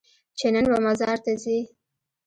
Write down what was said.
چې نن به مزار ته ځې؟